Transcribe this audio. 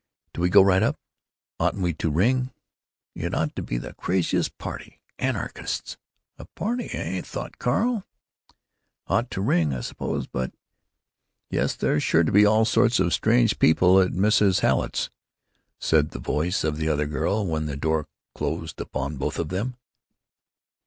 Do we go right up? Oughtn't we to ring? It ought to be the craziest party—anarchists——" "A party, eh?" thought Carl. "——ought to ring, I suppose, but——Yes, there's sure to be all sorts of strange people at Mrs. Hallet's——" said the voice of the other girl, then the door closed upon both of them.